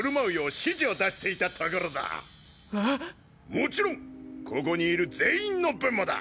もちろんここにいる全員の分もだ。